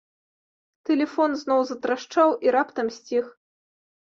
Тэлефон зноў затрашчаў і раптам сціх.